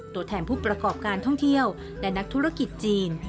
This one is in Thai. ตัวแทนผู้ประกอบการท่องเที่ยวและนักธุรกิจจีน